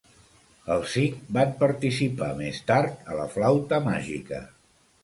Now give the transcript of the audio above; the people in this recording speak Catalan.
Els cinc van participar més tard a La flauta màgica.